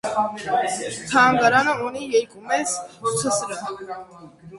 Թանգարանը ունի երկու մեծ ցուցասրահ։